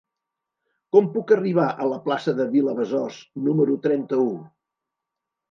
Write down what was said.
Com puc arribar a la plaça de Vilabesòs número trenta-u?